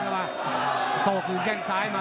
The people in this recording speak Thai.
เข้ามาโต้คืนแค่นซ้าย